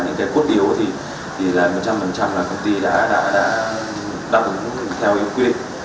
nghe biết là ở việt nam là những cái quốc yếu thì là một trăm linh là công ty đã đọc theo quy định